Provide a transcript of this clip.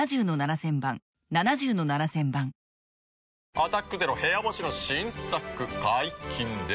「アタックＺＥＲＯ部屋干し」の新作解禁です。